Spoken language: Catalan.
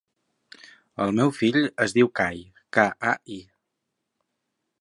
El meu fill es diu Kai: ca, a, i.